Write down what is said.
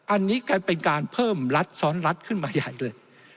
อันนี้เป็นการเพิ่มรัฐซ้อนรัฐขึ้นมาใหญ่เลย